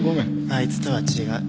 あいつとは違う。